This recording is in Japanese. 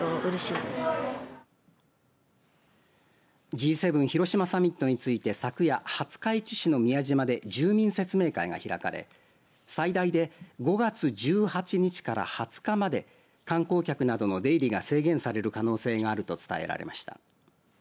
Ｇ７広島サミットについて昨夜廿日市市の宮島で住民説明会が開かれ最大で５月１８日から２０日まで観光客などの出入りが制限される可能性があると伝えられました。